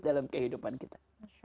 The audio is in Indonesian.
dalam kehidupan kita